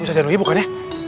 ustaz zanuyui bukannya